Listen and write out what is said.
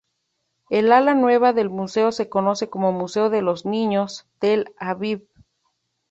El ala nueva del museo se conoce como "Museo de los Niños, Tel Aviv".